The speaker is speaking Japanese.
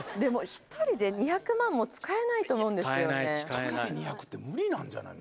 １人で２００って無理なんじゃない？